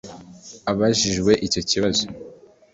Abajijwe icyo kibazo